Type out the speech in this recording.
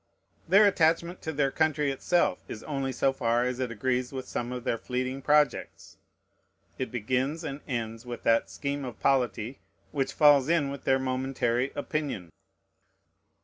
Their attachment to their country itself is only so far as it agrees with some of their fleeting projects: it begins and ends with that scheme of polity which falls in with their momentary opinion.